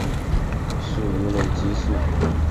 是一类激素。